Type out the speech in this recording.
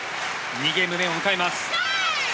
２ゲーム目を迎えます。